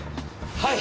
はい！